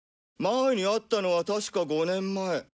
前に会ったのは確か５年前。